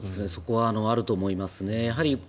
そこはあると思いますね。